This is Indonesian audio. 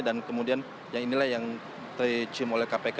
dan kemudian yang inilah yang tercium oleh kpk